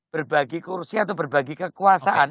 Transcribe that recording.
berbagi kursi atau berbagi kekuasaan